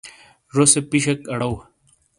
زیسے پیشیک آڑو۔